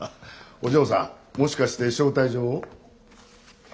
お嬢さんもしかして招待状を？